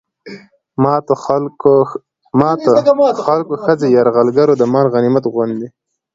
د ماتو خلکو ښځې يرغلګرو د مال غنميت غوندې